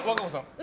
え？